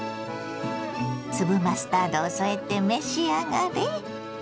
粒マスタードを添えて召し上がれ。